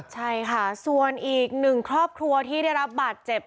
ใช่ค่ะส่วนอีกหนึ่งครอบครัวที่ได้รับบาดเจ็บ